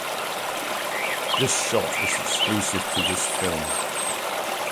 This short is exclusive to this film.